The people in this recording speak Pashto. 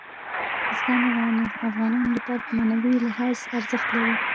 بزګان د افغانانو لپاره په معنوي لحاظ ارزښت لري.